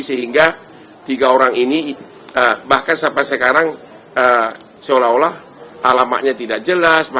sehingga tiga orang ini bahkan sampai sekarang seolah olah alamatnya tidak jelas